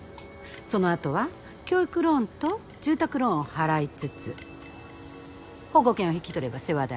その後は教育ローンと住宅ローンを払いつつ保護犬を引き取れば世話代。